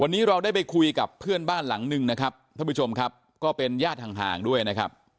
วันนี้เราได้ไปคุยกับเพื่อนบ้านหลังนึงนะครับท่านผู้ชมครับก็เป็นญาติห่างด้วยนะครับ